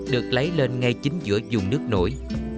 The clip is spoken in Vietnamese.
được lấy lên ngay chính giữa dùng nước nổi